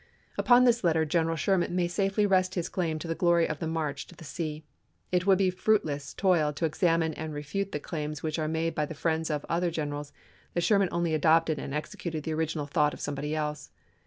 Upon this letter General Sherman may safely rest his claim to the glory of the march to the sea. It would be a fruitless toil to examine and refute the claims which are made by the friends of other generals that Sherman only adopted and executed the original thought of somebody else.